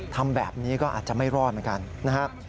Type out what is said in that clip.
ทำแบบนี้ก็อาจจะไม่รอดเหมือนกันนะครับ